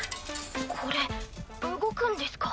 これ動くんですか？